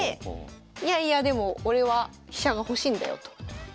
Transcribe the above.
いやいやでも俺は飛車が欲しいんだよと。